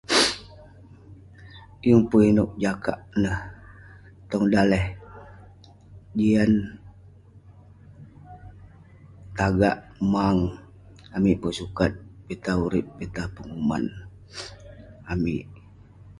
Yeng pun inouk jakak neh tong daleh. Jian, tagak, maang. Amik peh sukat pitah urip, pitah penguman amik.